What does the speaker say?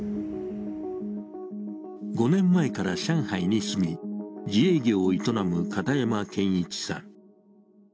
５年前から上海に住み、自営業を営む片山健一さん。